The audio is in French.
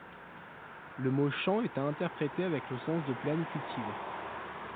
Le mot champs est à interpréter avec le sens de plaine cultivée.